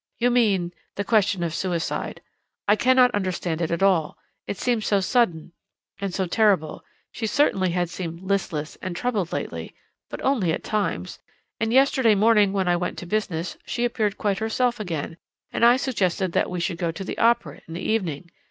'You mean the question of suicide I cannot understand it at all it seems so sudden and so terrible she certainly had seemed listless and troubled lately but only at times and yesterday morning, when I went to business, she appeared quite herself again, and I suggested that we should go to the opera in the evening.